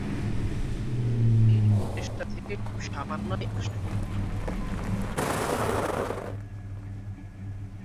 এই প্রচেষ্টা থেকে খুব সামান্যই আসে।